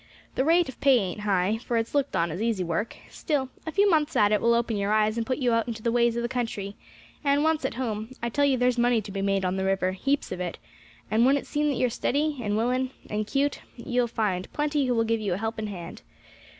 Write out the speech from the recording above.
The rate of pay ain't high, for it's looked on as easy work; still, a few months at it will open your eyes and put you into the ways of the country, and, once at home, I tell you there's money to be made on the river, heaps of it, and when it's seen that you are steady, and willing, and 'cute, you will find plenty who will give you a helping hand.